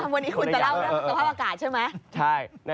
วันนี้คุณจะเล่าสภาพอากาศใช่มั้ย